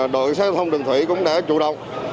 đội sát thông đường thủy cũng đã chủ động